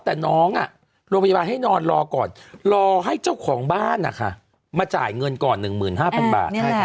แต่น้องโรงพยาบาลให้นอนรอก่อนรอให้เจ้าของบ้านนะคะมาจ่ายเงินก่อน๑๕๐๐บาท